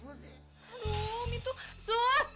umi sih gak mau dihidupin